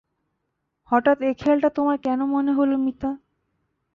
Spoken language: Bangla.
হঠাৎ এ খেয়ালটা তোমার কেন মনে হল মিতা।